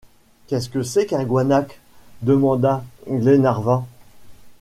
Qu’est-ce que c’est qu’un guanaque ? demanda Glenarvan.